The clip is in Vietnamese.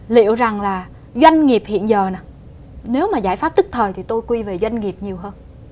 liệu rằng là doanh nghiệp hiện giờ nè nếu mà giải pháp tức thời thì tôi quy về doanh nghiệp nhiều hơn